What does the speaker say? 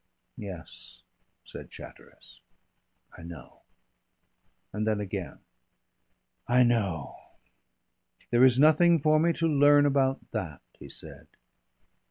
"Yes," said Chatteris. "I know." And then again, "I know. "There is nothing for me to learn about that," he said.